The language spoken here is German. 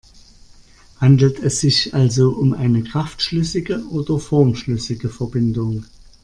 Handelt es sich also um eine kraftschlüssige oder formschlüssige Verbindung?